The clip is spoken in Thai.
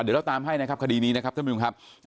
เดี๋ยวเราตามให้นะครับคดีนี้นะครับท่านผู้ชมครับ